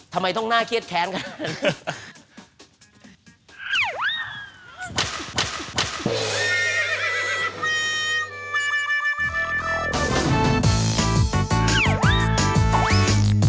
ทำไมต้องน่าเครียดแค้นกัน